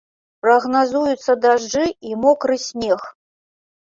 Прагназуюцца дажджы і мокры снег.